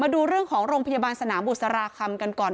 ดูเรื่องของโรงพยาบาลสนามบุษราคำกันก่อน